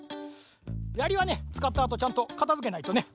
やりはねつかったあとちゃんとかたづけないとね。